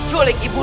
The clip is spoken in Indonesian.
untuk sebuah tahun